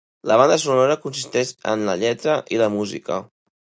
La Banda Sonora consisteix en la lletra i la música.